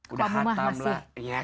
udah hatam lah